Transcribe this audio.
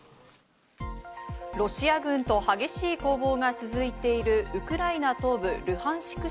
ロシア軍と激しい攻防が続いているウクライナ東部ルハンシク